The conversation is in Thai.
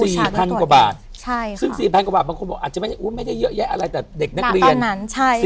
พันกว่าบาทใช่ซึ่งสี่พันกว่าบาทบางคนบอกอาจจะไม่ได้อุ้ยไม่ได้เยอะแยะอะไรแต่เด็กนักเรียนนั้นใช่